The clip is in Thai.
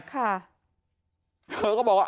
เธอก็บอกว่า